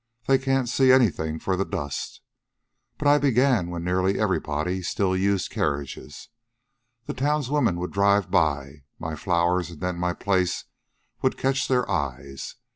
They can't see anything for dust. But I began when nearly everybody still used carriages. The townswomen would drive by. My flowers, and then my place, would catch their eyes.